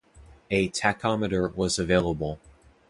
A tachometer was available.